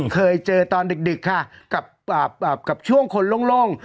เคยเจอตอนดึกค่ะกับช่วงคนโล่ง